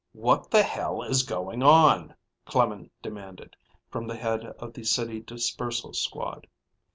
"What the hell is going on?" Clemen demanded, from the head of the City Dispersal Squad.